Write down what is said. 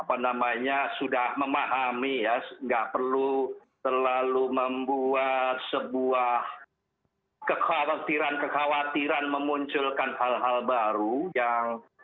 apa namanya sudah memahami ya nggak perlu terlalu membuat sebuah kekhawatiran kekhawatiran memunculkan hal hal baru yang yang sebetulnya itu tidak